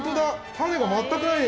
種が全くないです。